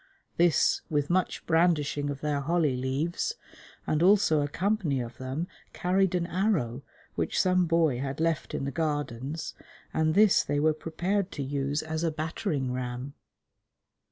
This, with much brandishing of their holly leaves, and also a company of them carried an arrow which some boy had left in the Gardens, and this they were prepared to use as a battering ram.